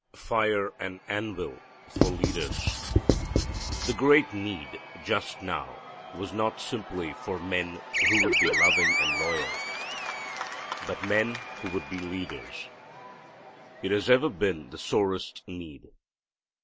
Fire and Anvil for Leaders. The great need just now was not simply for men who would be loving and loyal, but men who would be leaders. It has ever been the sorest need.